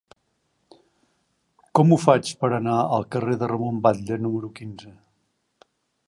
Com ho faig per anar al carrer de Ramon Batlle número quinze?